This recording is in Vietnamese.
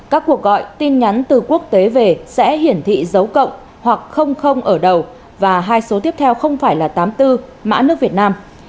các cuộc gọi tin nhắn từ quốc tế về sẽ hiển thị dấu cộng hoặc không ở đầu và hai số tiếp theo không phải là tám mươi bốn mã nước việt nam